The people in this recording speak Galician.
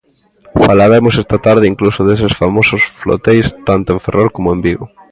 Falaremos esta tarde incluso deses famosos floteis, tanto en Ferrol como en Vigo.